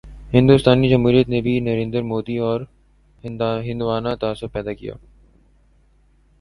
ہندوستانی جمہوریت نے بھی نریندر مودی اورہندوانہ تعصب پیدا کیا۔